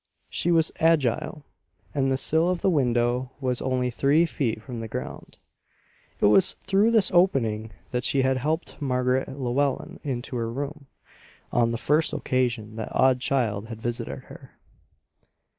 She was agile, and the sill of the window was only three feet from the ground. It was through this opening that she had helped Margaret Llewellen into her room on the first occasion that odd child had visited her.